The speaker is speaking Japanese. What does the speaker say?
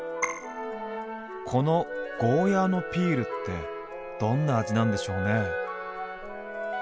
この「ゴーヤーのピール」ってどんな味なんでしょうね？